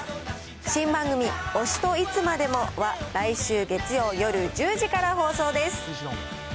新番組、推しといつまでもは、来週月曜夜１０時から放送です。